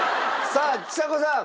さあちさ子さん。